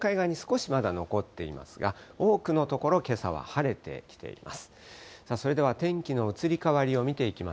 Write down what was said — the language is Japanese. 日本海側に少しまだ残っていますが、多くの所、けさは晴れてきています。